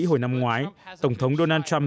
hồi năm ngoái tổng thống donald trump